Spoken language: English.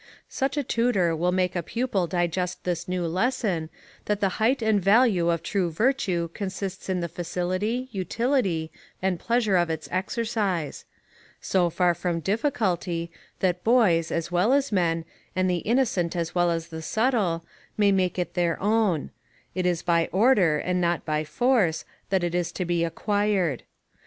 Such a tutor will make a pupil digest this new lesson, that the height and value of true virtue consists in the facility, utility, and pleasure of its exercise; so far from difficulty, that boys, as well as men, and the innocent as well as the subtle, may make it their own; it is by order, and not by force, that it is to be acquired.